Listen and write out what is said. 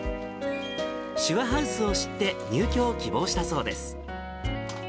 しゅわハウスを知って、入居を希望したそうです。